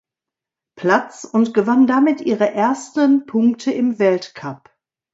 Platz und gewann damit ihre ersten Punkte im Weltcup.